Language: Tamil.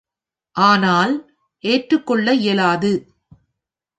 ஆனால், ஏற்றுக்கொள்ள இயலாது.